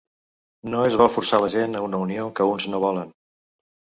No és bo forçar la gent a una unió que uns no volen.